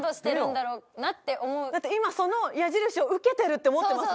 だって今その矢印を受けてるって思ってます。